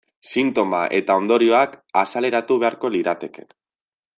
Sintoma eta ondorioak azaleratu beharko lirateke.